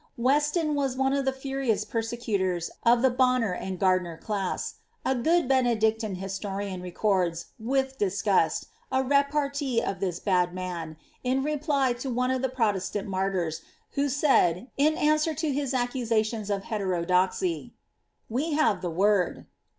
Weston was one of the furious persecmors, of the Bonner and Qat^ diner class ;— a gooil Benedictine historian records with disgusi a repartee of this bad man, in reply to one of the Protestant narlyrs, who, said, in answer lu his accuBatiuns of lieierodoxy, —" We have the word."